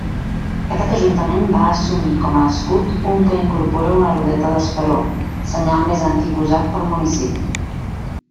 Aquest Ajuntament va assumir com a escut un que incorpora una rodeta d'esperó, senyal més antic usat pel municipi.